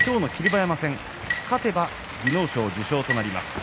馬山戦、勝てば技能賞受賞となります。